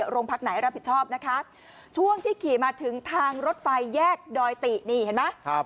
โรงพักไหนรับผิดชอบนะคะช่วงที่ขี่มาถึงทางรถไฟแยกดอยตินี่เห็นไหม